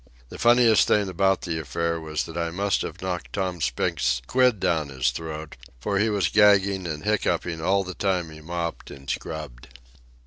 The funniest thing about the affair was that I must have knocked Tom Spink's quid down his throat, for he was gagging and hiccoughing all the time he mopped and scrubbed.